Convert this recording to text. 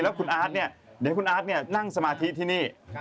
แล้วคุณอาทระณะเดี๋ยวให้คุณอาทนั่งสมาธิที่นี่